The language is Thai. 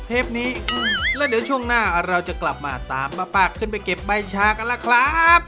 เทปนี้แล้วเดี๋ยวช่วงหน้าเราจะกลับมาตามป้าปากขึ้นไปเก็บใบชากันล่ะครับ